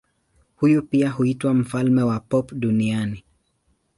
Huyu pia huitwa mfalme wa pop duniani.